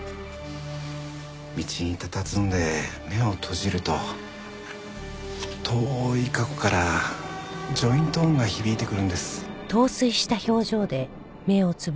道にたたずんで目を閉じると遠い過去からジョイント音が響いてくるんです。